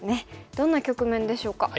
どんな局面でしょうか。